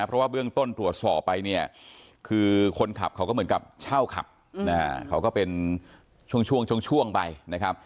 เพราะว่าเบื้องต้นตรวจสอบไปเนี่ยคือคนขับเขาก็เหมือนกับเช่าขับเขาก็เป็นช่วงช่วงไปนะครับ